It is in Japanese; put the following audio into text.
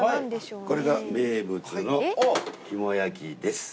これが名物のキモ焼です。